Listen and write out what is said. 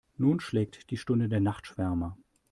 Nun schlägt die Stunde der Nachtschwärmer.